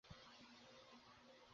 না, এটা পূর্ণর লেখা।